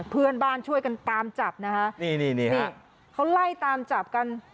เพื่อนบ้านช่วยกันตามจับนะฮะนี่นี่เขาไล่ตามจับกัน